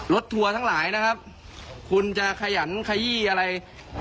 ทัวร์ทั้งหลายนะครับคุณจะขยันขยี้อะไร